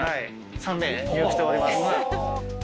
３名入浴しております。